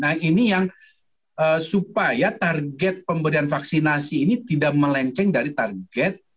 nah ini yang supaya target pemberian vaksinasi ini tidak melenceng dari target